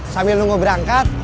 sambil nunggu berangkat